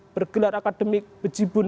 bergelar akademik bejibun